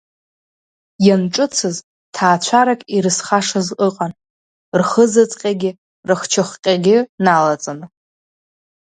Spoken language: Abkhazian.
Ианҿыцыз ҭаацәарак ирызхашаз ыҟан, рхызаҵҟьагьы рыхчыхҟьагьы налаҵаны.